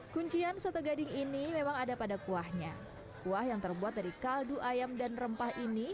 kuncian soto gading ini memang ada pada kuahnya kuah yang terbuat dari kaldu ayam dan rempah ini